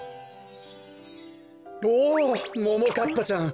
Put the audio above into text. おおももかっぱちゃん。